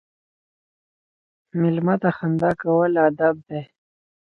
مېلمه ته خندا ورکول ادب دی.